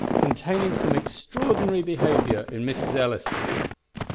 _Containing some extraordinary behaviour in Mrs. Ellison.